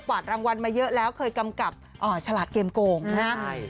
วาดรางวัลมาเยอะแล้วเคยกำกับฉลาดเกมโกงนะครับ